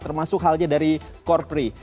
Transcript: termasuk halnya dari korpri